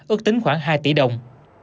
ước tính khoảng hai tỷ đồng